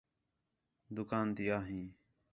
دُِکان تی آ ہیں